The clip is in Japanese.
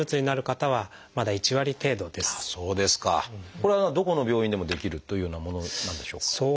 これはどこの病院でもできるというようなものなんでしょうか？